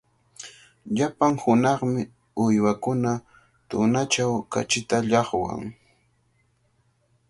Llapan hunaqmi uywakuna tunachaw kachita llaqwan.